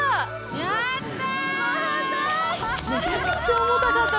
やった！！